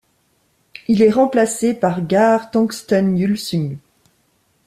Il est remplacé par Gar Tongtsen Yülsung.